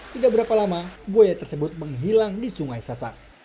tidak berapa lama buaya tersebut menghilang di sungai sasak